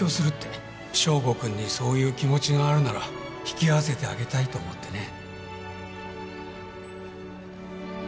祥吾くんにそういう気持ちがあるなら引き合わせてあげたいと思ってね。